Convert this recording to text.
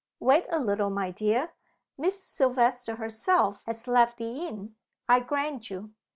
"Wait a little, my dear. Miss Silvester herself has left the inn, I grant you.